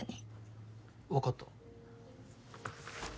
わかった。